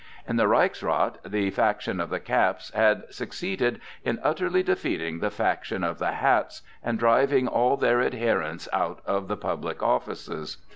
In the Reichsrath the faction of the "caps" had succeeded in utterly defeating the faction of the "hats," and driving all their adherents out of the public offices.